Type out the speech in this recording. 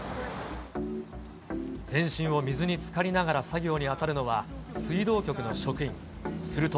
全身を水につかりながら作業に当たるのは、水道局の職員。